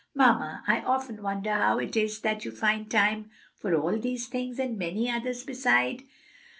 Mamma, I often wonder how it is that you find time for all these things and many others beside."